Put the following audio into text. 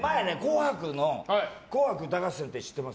「紅白歌合戦」って知ってます？